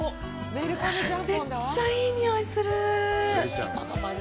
めっちゃいい匂いする。